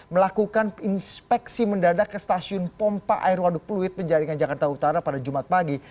melakukan inspeksi mendadak ke stasiun pompa air waduk pluit penjaringan jakarta utara pada jumat pagi